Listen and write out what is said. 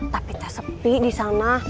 tapi tak sepi di sana